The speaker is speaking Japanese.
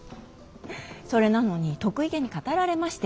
それなのに得意げに語られましても。